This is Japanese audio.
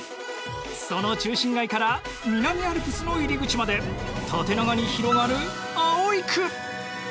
その中心街から南アルプスの入り口まで縦長に広がる葵区。